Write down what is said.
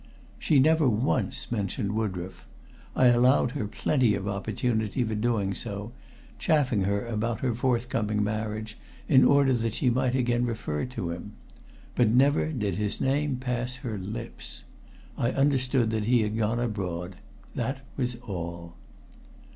She never once mentioned Woodroffe. I allowed her plenty of opportunity for doing so, chaffing her about her forthcoming marriage in order that she might again refer to him. But never did his name pass her lips. I understood that he had gone abroad that was all.